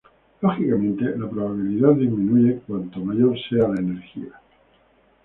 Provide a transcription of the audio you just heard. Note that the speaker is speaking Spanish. Lógicamente, la probabilidad disminuye cuanto mayor sea la energía.